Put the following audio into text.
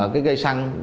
cái gây săng